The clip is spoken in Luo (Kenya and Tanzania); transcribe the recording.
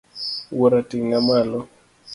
Wuora ting'a malo.